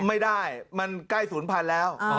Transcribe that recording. ไม่ได้มันใกล้ศูนย์พันธุ์แล้ว